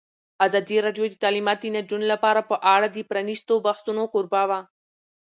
ازادي راډیو د تعلیمات د نجونو لپاره په اړه د پرانیستو بحثونو کوربه وه.